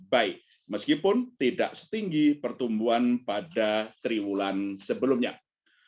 baik meskipun tidak setinggi pertumbuhan pada triwulan sebelumnya sehingga